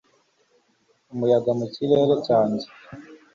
umuyaga mu kirere cyanjye